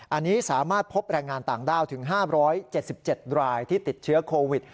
อันนี้สามารถพบแรงงานต่างด้าวถึง๕๗๗รายที่ติดเชื้อโควิด